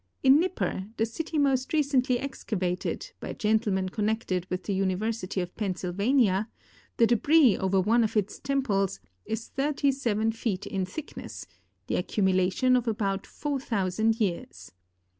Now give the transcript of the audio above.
In Nipper, the city most recently excavated, by gentlemen connected with the University of Pennsylvania, ths debris over one of its temples is 37 feet in thickness, the accumulation of about 4,000 years.